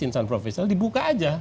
insan profesional dibuka aja